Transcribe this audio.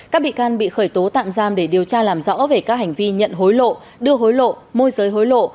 các bị can bị khởi tố tạm giam để điều tra làm rõ về các hành vi nhận hối lộ đưa hối lộ môi giới hối lộ